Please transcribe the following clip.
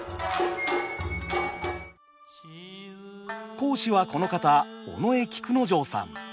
講師はこの方尾上菊之丞さん。